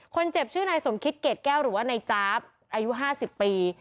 คนเจ็บชื่อนายสมคิตเกรดแก้วหรือว่านายจ๊าบอายุ๕๐ปี